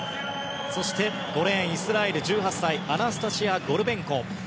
５レーン、イスラエル、１８歳アナスタシア・ゴルベンコ。